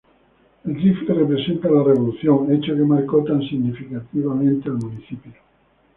El rifle representa a la revolución, hecho que marcó tan significativamente al municipio.